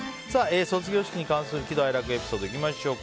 卒業式に関する喜怒哀楽エピソードいきましょう。